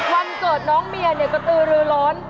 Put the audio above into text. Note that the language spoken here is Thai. วันเกิดน้องเมียเนี่ยกระตือรือร้อน